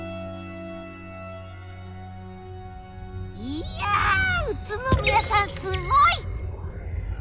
いや宇都宮さんすごい！